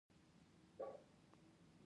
زما ښه تعليم يافته وراره ګان دي.